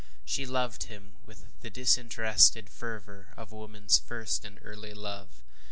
She loved him with the disinterested fervor of a womanŌĆÖs first and early love.